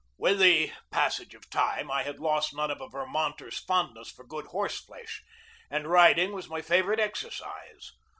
With the passage of time I had lost none of a Vermonter's fondness for good horse flesh, and riding was my favorite exercise.